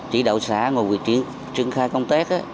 chỉ đạo xã ngồi vị trí trưng khai công tác